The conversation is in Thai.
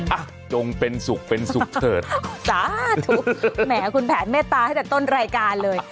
อ่ะจงเป็นสุขเป็นสุขเถิดสาธุแหมคุณแผนเมตตาตั้งแต่ต้นรายการเลย